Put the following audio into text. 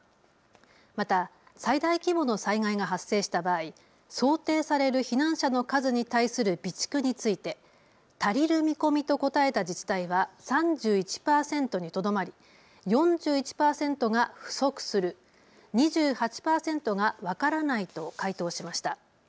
また最大規模の災害が発生した場合、想定される避難者の数に対する備蓄について足りる見込みと答えた自治体は３１％にとどまり、４１％が不足する、２８％が分からないと回答しました。